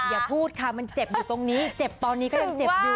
อย่าพูดค่ะมันเจ็บอยู่ตรงนี้เจ็บตอนนี้ก็ยังเจ็บอยู่